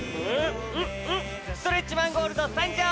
ストレッチマンゴールド参上！